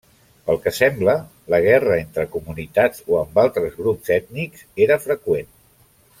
Pel que sembla, la guerra entre comunitats o amb altres grups ètnics era freqüent.